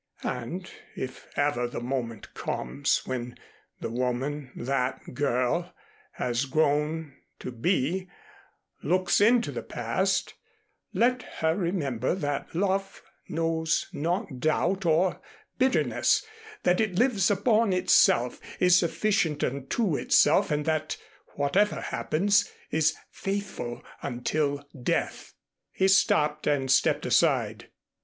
And, if ever the moment comes when the woman that girl has grown to be looks into the past, let her remember that love knows not doubt or bitterness, that it lives upon itself, is sufficient unto itself and that, whatever happens, is faithful until death." He stopped and stepped aside.